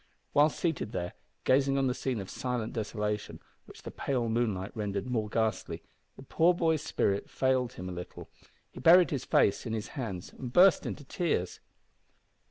While seated there, gazing on the scene of silent desolation, which the pale moonlight rendered more ghastly, the poor boy's spirit failed him a little. He buried his face in his hands and burst into tears.